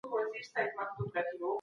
خو وروسته خوله پاکه کړئ.